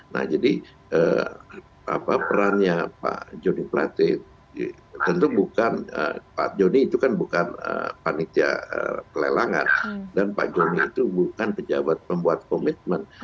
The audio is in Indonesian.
nah jadi perannya pak joni plate tentu bukan pak joni itu kan bukan panitia pelelangan dan pak joni itu bukan pejabat pembuat komitmen